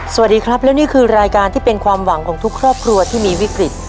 สวัสดีครับและนี่คือรายการที่เป็นความหวังของทุกครอบครัวที่มีวิกฤต